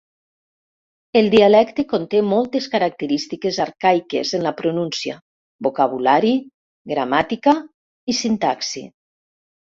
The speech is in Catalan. El dialecte conté moltes característiques arcaiques en la pronúncia, vocabulari, gramàtica i sintaxi.